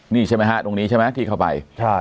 นี่ใช่ไหมฮะตรงนี้ใช่ไหมที่เข้าไปใช่